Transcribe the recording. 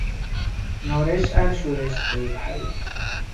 নরেশ আর সুরেশ দুই ভাই।